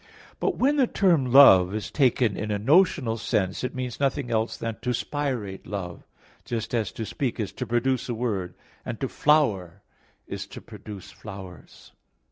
But when the term Love is taken in a notional sense it means nothing else than "to spirate love"; just as to speak is to produce a word, and to flower is to produce flowers.